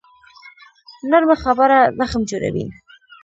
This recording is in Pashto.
نرمه خبره زخم جوړوي